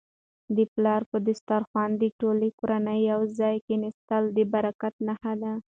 د پلار په دسترخوان د ټولې کورنی یو ځای کيناستل د برکت نښه ده.